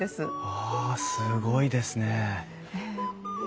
わあすごいですね。